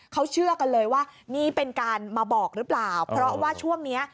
เขาเชื่อกันเลยว่านี่เป็นการมาบอกหรือเปล่าเพราะว่าช่วงเนี้ย